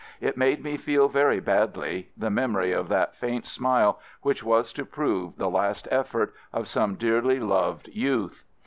It made me feel very badly — the memory of that 38 AMERICAN AMBULANCE faint smile which was to prove the last effort of some dearly loved youth.